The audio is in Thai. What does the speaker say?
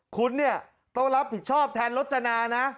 คุณเนี่ยต้องรับผิดชอบแทนรถจนานะ